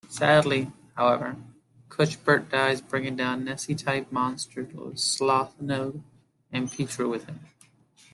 Sadly, however, Cuthbert dies bringing down Nessie-type monster Slothunog, and Pitru with him.